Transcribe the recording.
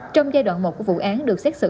trong giai đoạn một của vụ án được xét xử